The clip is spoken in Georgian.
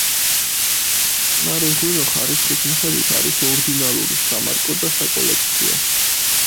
წყნარი ღვინო ხარისხის მიხედვით არის ორდინალური, სამარკო და საკოლექციო.